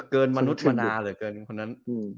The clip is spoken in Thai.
เกินมนุษย์มดาเลยเกินคนนั้น